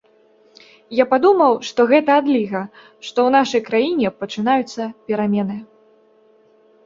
Я падумаў, што гэта адліга, што ў нашай краіне пачынаюцца перамены.